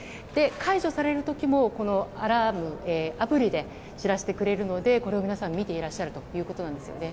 解除される時もアラームアプリで知らせてくれるのでこれを皆さん見ていらっしゃると。